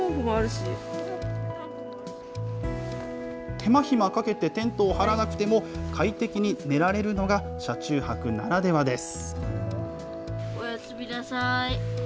手間暇かけてテントを張らなくても、快適に寝られるのが車中泊ならではです。